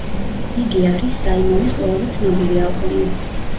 იგი არის საიმონის ყველაზე ცნობილი ალბომი.